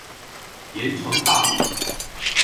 鹽埕大路